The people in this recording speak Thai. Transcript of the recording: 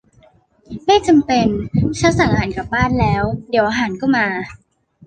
ไม่จำเป็น ฉันสั่งอาหารกลับบ้านแล้ว เดี๋ยวอาหารก็มา